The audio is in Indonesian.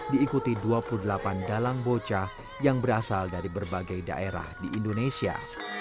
diikuti dua puluh delapan dalang bocah yang berasal dari berbagai daerah di indonesia